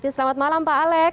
selamat malam pak alex